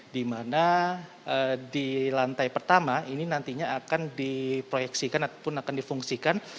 di mana di lantai pertama ini nantinya akan diproyeksikan ataupun akan difungsikan